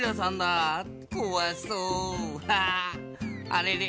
あれれ？